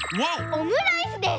オムライスです！